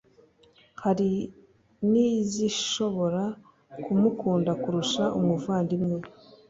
hari n'izishobora kumukunda kurusha umuvandimwe we